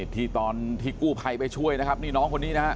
ที่ตอนที่กู้ภัยไปช่วยนะครับนี่น้องคนนี้นะฮะ